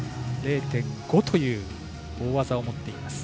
０．５という大技を持っています。